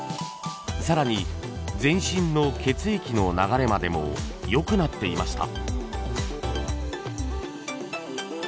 更に全身の血液の流れまでも良くなっていました。